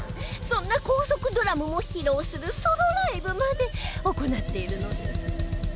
そんな高速ドラムを披露するソロライブまで行っているのです